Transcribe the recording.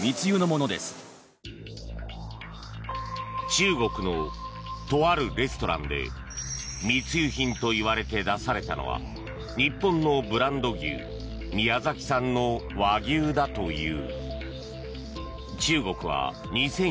中国のとあるレストランで密輸品といわれて出されたのは日本のブランド牛宮崎産の和牛だという。